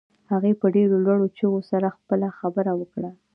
هغې په ډېرو لوړو چيغو سره خپله خبره وکړه.